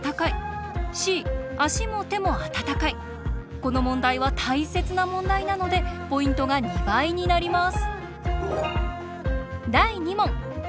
この問題は大切な問題なのでポイントが２倍になります。